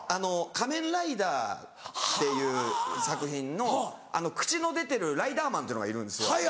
『仮面ライダー』っていう作品の口の出てるライダーマンっていうのがいるんですよ。